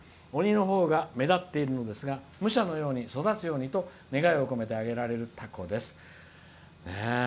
鬼のほうが目立っているのですが武者のように育つようにと願いを込めて揚げられるたこです。